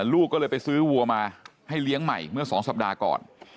ลูกก็เลยไปซื้อวัวมาให้เลี้ยงใหม่เมื่อ๒สัปดาห์ก่อน